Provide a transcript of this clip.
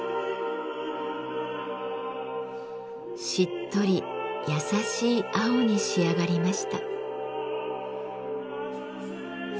しっとり優しい青に仕上がりました。